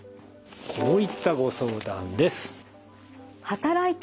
こういったご相談です。